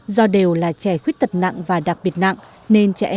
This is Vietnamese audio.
do đều là trẻ khuyết tật nặng và đặc biệt nặng nên trẻ em